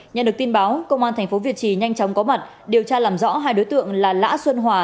nhận được tin báo công an tp việt trì nhanh chóng có mặt điều tra làm rõ hai đối tượng là lã xuân hòa